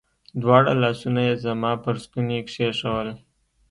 دواړه لاسونه يې زما پر ستوني کښېښوول.